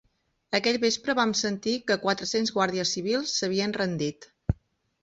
Aquell vespre vam sentir que quatre-cents guàrdies civils s'havien rendit